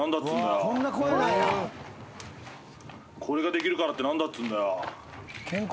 これができるからって何だっつうんだよ？